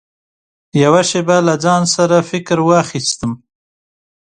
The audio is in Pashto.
يوه شېبه له ځان سره فکر واخيستم .